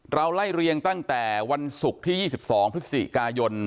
ไล่เรียงตั้งแต่วันศุกร์ที่๒๒พฤศจิกายน